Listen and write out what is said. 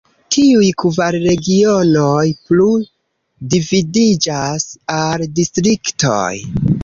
Tiuj kvar regionoj plu dividiĝas al distriktoj.